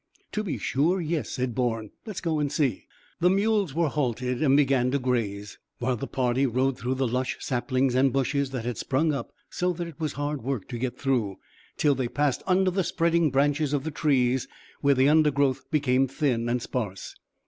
"To be sure, yes," said Bourne; "let's go and see." The mules were halted, and began to graze, while the party rode through the lush saplings and bushes that had sprung up so that it was hard work to get through, till they passed under the spreading branches of the trees, where the undergrowth became thin and sparse.